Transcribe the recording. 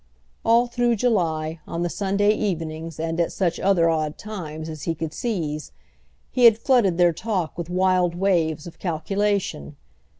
All through July, on the Sunday evenings and at such other odd times as he could seize, he had flooded their talk with wild waves of calculation.